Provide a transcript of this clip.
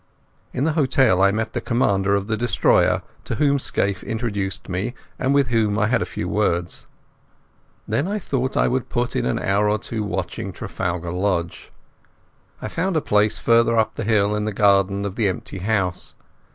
In the hotel I met the commander of the destroyer, to whom Scaife introduced me, and with whom I had a few words. Then I thought I would put in an hour or two watching Trafalgar Lodge. I found a place farther up the hill, in the garden of an empty house.